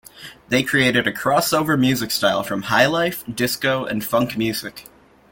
They created a crossover music style from highlife, disco and funk music.